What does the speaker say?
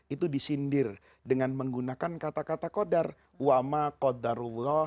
itu disindir dengan menggunakan kata kata qadar